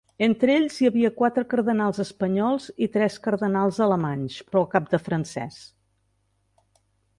Entre ells hi havia quatre cardenals espanyols i tres cardenals alemanys, però cap de francès.